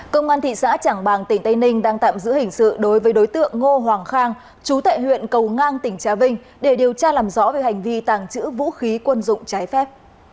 công an thị xã trảng bàng tỉnh tây ninh đang tạm giữ hình sự đối với đối tượng ngô hoàng khang chú tại huyện cầu ngang tỉnh trà vinh để điều tra làm rõ về hành vi tàng trữ vũ khí quân dụng trái phép